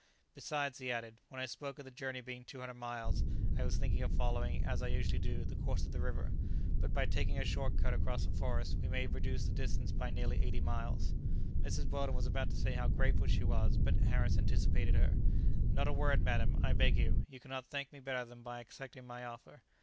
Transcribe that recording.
Besides," he added, "when I spoke of the journey being 200 miles, I was thinking of following, as I usually do, the course of the river; but by taking a short cut across the forest, we may reduce the distance by nearly eighty miles." Mrs. Weldon was about to say how grateful she was, but Harris anticipated her. "Not a word, madam, I beg you. You cannot thank me better than by accepting my offer.